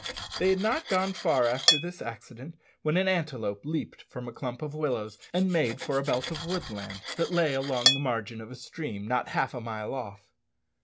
They had not gone far after this accident when an antelope leaped from a clump of willows, and made for a belt of woodland that lay along the margin of a stream not half a mile off.